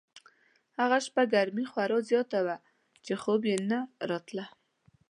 هغه شپه ګرمي خورا زیاته وه چې خوب یې نه راته.